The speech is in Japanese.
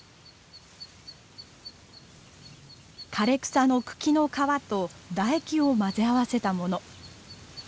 枯れ草の茎の皮と唾液を混ぜ合わせたもの。